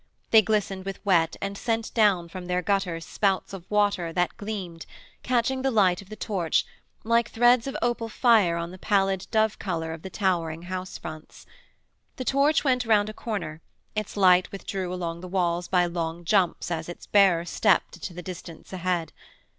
They glistened with wet and sent down from their gutters spouts of water that gleamed, catching the light of the torch, like threads of opal fire on the pallid dove colour of the towering house fronts. The torch went round a corner, its light withdrew along the walls by long jumps as its bearer stepped into the distance ahead.